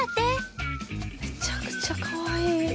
めちゃくちゃかわいい！